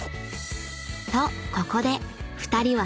［とここで２人は］